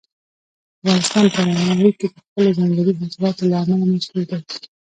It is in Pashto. افغانستان په نړۍ کې د خپلو ځنګلي حاصلاتو له امله مشهور دی.